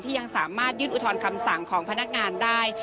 ยังสามารถยื่นอุทธรณ์คำสั่งของพนักงานได้